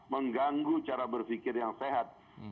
mengganggu cara berpikir yang sehat